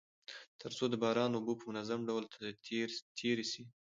تر څو د باران اوبه په منظم ډول تيري سي.